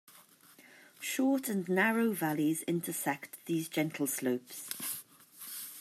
Short and narrow valleys intersect these gentle slopes.